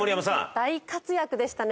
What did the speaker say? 大活躍でしたね。